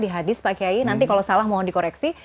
di hadis pak kiai nanti kalau salah mohon dikoreksi